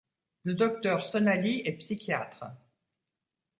Le docteur Sonali est psychiatre.